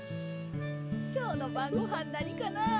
きょうのばんごはんなにかなあ。